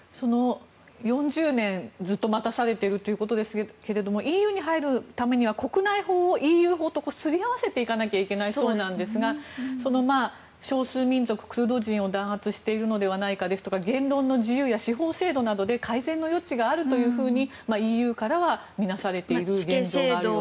４０年ずっと待たされているということですがＥＵに入るためには国内法をＥＵ法とすり合わせていかなきゃいけないそうなんですが少数民族クルド人を弾圧しているのではないとか言論弾圧とか改善の余地があるというふうにＥＵからは見なされている現状があるようですね。